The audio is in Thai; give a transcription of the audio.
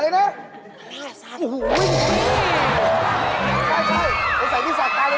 เป็นอะไร